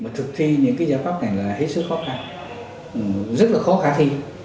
thực thi những giải pháp này là hết sức khó khăn rất là khó khả thi